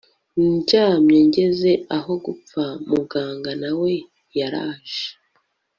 ndyamye ngeze aho gupfa mu ganga nawe yaraje